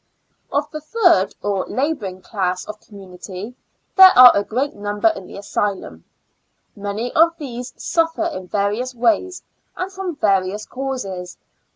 Of the third, or laboring class of com munity, there are a great "number in the asylum. Many of these suffer in various ways, and from various causes.